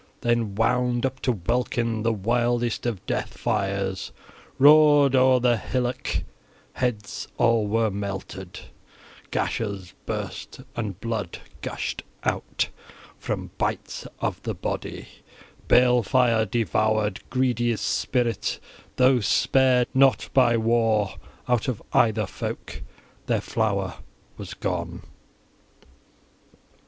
Then wound up to welkin the wildest of death fires, roared o'er the hillock: {16j} heads all were melted, gashes burst, and blood gushed out from bites {16k} of the body. Balefire devoured, greediest spirit, those spared not by war out of either folk: their flower was gone.